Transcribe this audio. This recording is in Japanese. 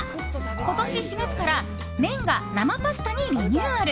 今年４月から麺が生パスタにリニューアル。